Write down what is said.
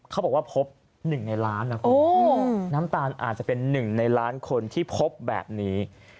เขาบอกว่าพบ๑ในล้านนะคุณน้ำตาลอาจจะเป็น๑ในล้านคนที่พบแบบนี้